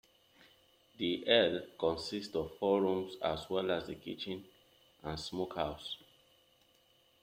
The ell consists of four rooms as well as the kitchen and smokehouse.